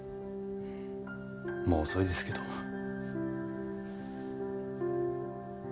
もう遅いですけどふっ。